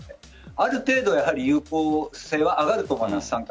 ある程度、有効性は上がると思います。